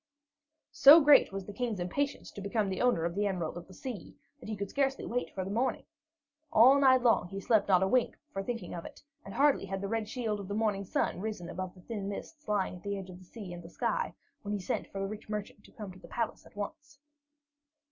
So great was the King's impatience to become the owner of the Emerald of the Sea, that he could scarcely wait for the morning. All night long he slept not a wink for thinking of it, and hardly had the red shield of the morning sun risen above the thin mists lying at the edge of the sea and sky, when he sent for the rich merchant to come to the palace at once.